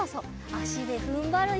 あしでふんばるよ！